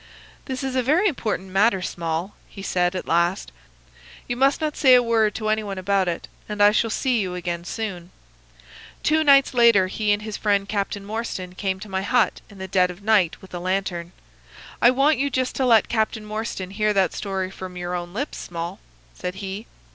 "'This is a very important matter, Small,' he said, at last. 'You must not say a word to any one about it, and I shall see you again soon.' "Two nights later he and his friend Captain Morstan came to my hut in the dead of the night with a lantern. "'I want you just to let Captain Morstan hear that story from your own lips, Small,' said he.